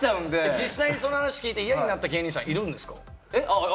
実際そういう話、聞いて嫌になった芸人さん、いるんですか？